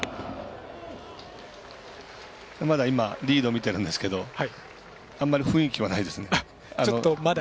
まだリードを見てるんですけどあんまり雰囲気はないですね。